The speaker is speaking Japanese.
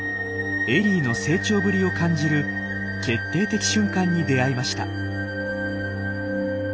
エリーの成長ぶりを感じる決定的瞬間に出会いました。